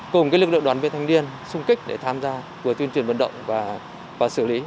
cùng lực lượng đoàn viên thanh niên xung kích để tham gia tuyên truyền vận động và xử lý